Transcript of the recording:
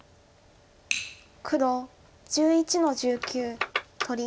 黒１１の十九取り。